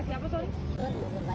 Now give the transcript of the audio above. ini janggut hitam